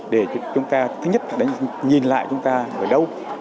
để chúng ta thứ nhất nhìn lại chúng ta ở đâu